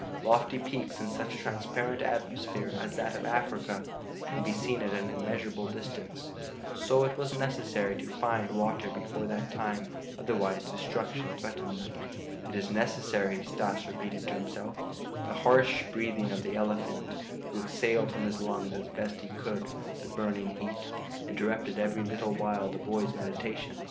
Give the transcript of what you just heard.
Lofty peaks in such transparent atmosphere as that of Africa can be seen at an immeasurable distance; so it was necessary to find water before that time. Otherwise destruction threatened them. "It is necessary," Stas repeated to himself. The harsh breathing of the elephant, who exhaled from his lungs as best he could the burning heat, interrupted every little while the boy's meditations.